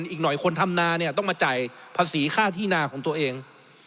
อีกหน่อยคนทำนาเนี่ยต้องมาจ่ายภาษีค่าที่นาของตัวเอง